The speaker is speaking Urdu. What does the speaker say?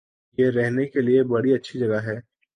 یہ رہنے کےلئے بڑی اچھی جگہ ہے